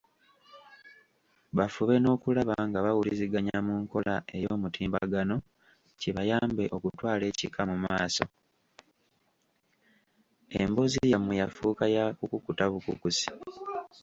Emboozi yammwe yafuuka ya kukukuta bukukusi.